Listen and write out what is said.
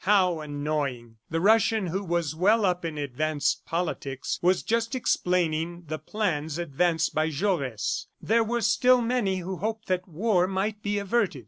How annoying! The Russian, who was well up in advanced politics, was just explaining the plans advanced by Jaures. There were still many who hoped that war might be averted.